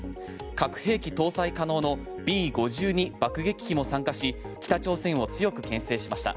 核兵器搭載可能のＢ５２爆撃機も参加し北朝鮮を強く牽制しました。